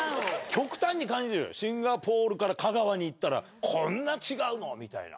極端に変わる、シンガポールから香川に行ったら、こんな違うのみたいな。